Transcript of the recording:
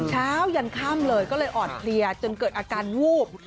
ยันค่ำเลยก็เลยอ่อนเพลียจนเกิดอาการวูบ